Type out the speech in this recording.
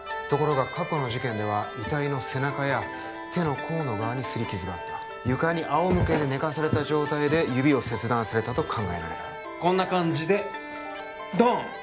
ところが過去の事件では遺体の背中や手の甲の側に擦り傷があった床にあおむけで寝かされた状態で指を切断されたと考えられるこんな感じでドン！